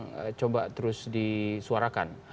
yang coba terus disuarakan